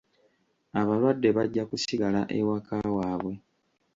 Abalwadde bajja kusigala ewaka waabwe.